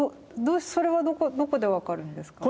それはどこで分かるんですか？